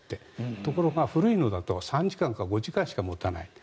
ところが古いのだと３時間か５時間しか持たない。